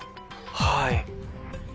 はい。